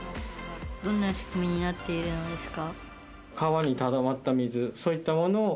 どんな仕組みになっているのですか？